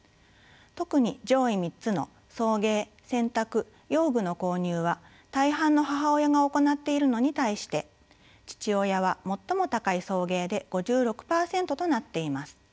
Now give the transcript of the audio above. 特に上位３つの「送迎」「洗濯」「用具の購入」は大半の母親が行っているのに対して父親は最も高い「送迎」で５６％となっています。